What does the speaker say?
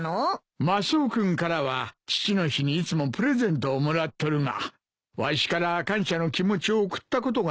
マスオ君からは父の日にいつもプレゼントをもらっとるがわしから感謝の気持ちを贈ったことがなかったからな。